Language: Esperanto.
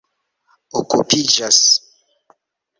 okupiĝas